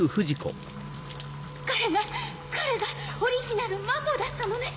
彼が彼がオリジナルのマモーだったのね。